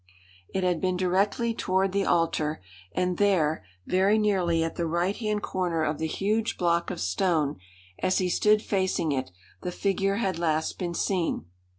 It had been directly toward the altar, and there, very nearly at the right hand corner of the huge block of stone as he stood facing it, the figure had last been seen.